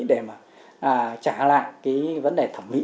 để trả lại vấn đề thẩm mỹ